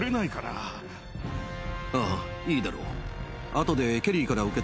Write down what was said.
ああいいだろう。